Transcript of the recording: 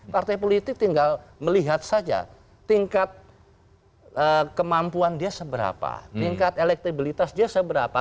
partai politik tinggal melihat saja tingkat kemampuan dia seberapa tingkat elektabilitas dia seberapa